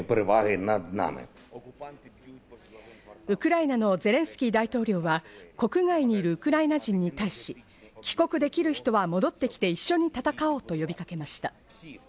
ウクライナのゼレンスキー大統領は国外にいるウクライナ人に対し、帰国できる人は戻ってきて、一緒に闘おうと呼びかけました。